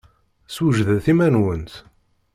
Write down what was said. Swejdet iman-nwent.